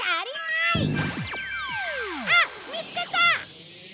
あっ見つけた！